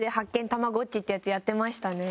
たまごっち』ってやつやってましたね。